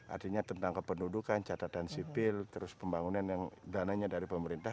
artinya tentang kependudukan catatan sipil terus pembangunan yang dananya dari pemerintah